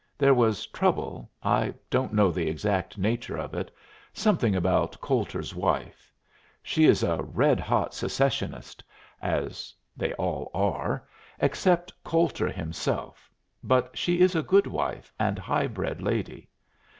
There was trouble I don't know the exact nature of it something about Coulter's wife. She is a red hot Secessionist, as they all are, except Coulter himself, but she is a good wife and high bred lady.